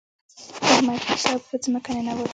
د احمد کتاب په ځمکه ننوت.